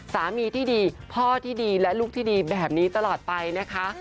สามีที่ดีพ่อที่ดีและลูกที่ดีแบบนี้ตลอดไปนะคะ